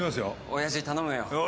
おやじ、頼むよ。